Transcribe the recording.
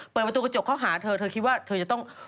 เปิดประตูกระจกเข้าหาเธอเธอคิดว่าเธอจะต้อง